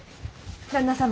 旦那様